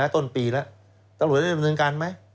ต้นปีแล้วตำรวจได้ดำเนินการไหม